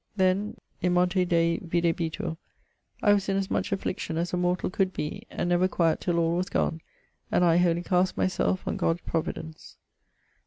Then In monte Dei videbitur. I was in as much affliction as a mortall could bee, and never quiet till all was gone, wholly cast myselfe on God's providence.